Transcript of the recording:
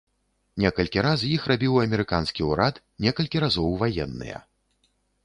Некалькі раз іх рабіў амерыканскі ўрад, некалькі разоў ваенныя.